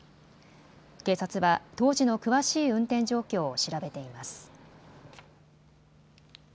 警察は当時の詳しい運転状況を調べています。